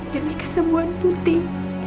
demi kesembuhan putih